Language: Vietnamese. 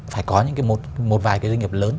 phải có một vài doanh nghiệp lớn